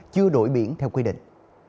chưa đổi biển theo quy định